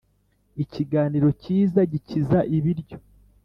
ikiganiro cyiza gikiza ibiryo